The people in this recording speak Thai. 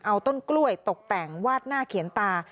เอาต้นกล้วยตกแต่งวาดหน้าเขียนตา